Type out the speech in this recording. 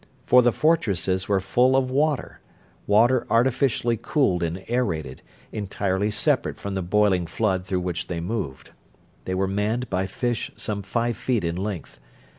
For the fortresses were full of water; water artificially cooled and aerated, entirely separate from the boiling flood through which they moved. They were manned by fish some five feet in length.